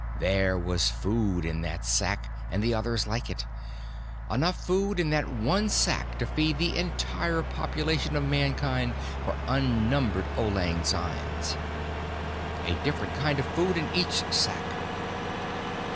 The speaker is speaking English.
There was food in that sack and the others like it. Enough food in that one sack to feed the entire population of Mankind for unnumbered auld lang synes. A different kind of food in each sack.